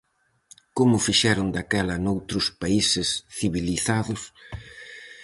Como fixeron daquela noutros países civilizados?